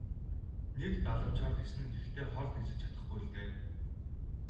Нэг далавчаар ниснэ гэхдээ хол нисэж чадахгүй л дээ.